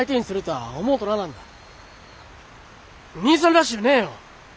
兄さんらしゅうねえよ。